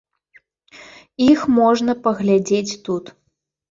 Іх можна паглядзець тут.